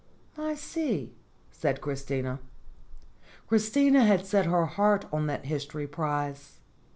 "I see," said Christina. Christina had set her heart on that history prize.